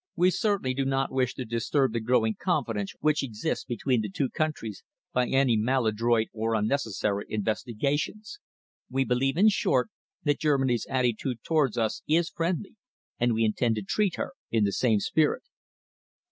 We certainly do not wish to disturb the growing confidence which exists between the two countries by any maladroit or unnecessary investigations. We believe, in short, that Germany's attitude towards us is friendly, and we intend to treat her in the same spirit."